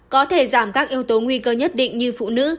có thể giảm các yếu tố nguy cơ nhất định như phụ nữ